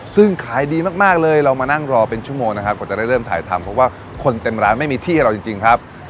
ซึ่งขายดีมากเลยเรามานั่งรอเป็นชั่วโมงนะครับกว่าจะได้เริ่มถ่ายทำเพราะว่าคนเต็มร้านไม่มีที่เราจริงครับ